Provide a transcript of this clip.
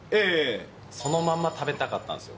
そのまま食べたかったんですよ。